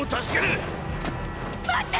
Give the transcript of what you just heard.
待って！